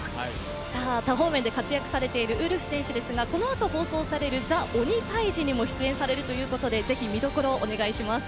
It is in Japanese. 多方面で活躍されているウルフ選手ですが、この後放送される「ＴＨＥ鬼タイジ」にも出演されるということで、見どころをお願いします